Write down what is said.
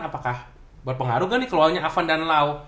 apakah berpengaruh kan dikeluarnya avan dan lau